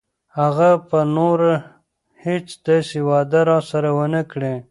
هغه به نوره هیڅ داسې وعده راسره ونه کړي.